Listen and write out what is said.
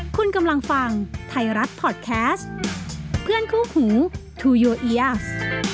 คุณกำลังฟังไทยรัฐพอร์ตแคสต์เพื่อนคู่หูทูโยเอียส